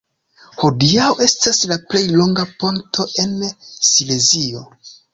Hodiaŭ estas la plej longa ponto en Silezio.